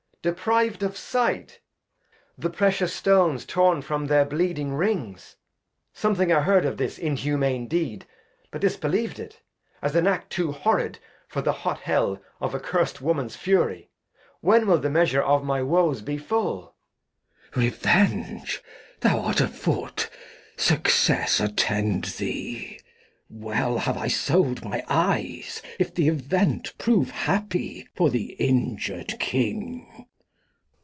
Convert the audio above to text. depriv'd of Sight! The precious Stones torn from their bleeding Rings ! Something I heard of this inhumane Deed, But disbeliev'd it, as an Act too horrid For the hot HeU of a curst Woman's Fury ; When will the Measure of my Woes be full ? Glost. Revenge, thou art on foot. Success attend thee. Well have I sold my Eyes, if the Event Prove happy for the injur'd King.